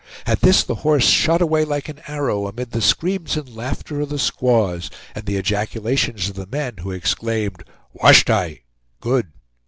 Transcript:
At this the horse shot away like an arrow, amid the screams and laughter of the squaws, and the ejaculations of the men, who exclaimed: "Washtay! Good!"